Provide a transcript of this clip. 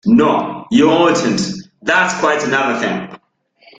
No, you oughtn’t: that’s quite another thing!